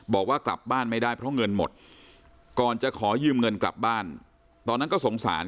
บอกว่ากลับบ้านไม่ได้เพราะเงินหมดก่อนจะขอยืมเงินกลับบ้านตอนนั้นก็สงสาร